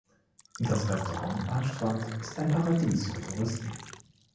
Das Restaurant am Strand ist ein Paradies für Touristen.